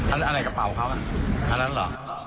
อะไรกระเป๋าเขาอันนั้นเหรอ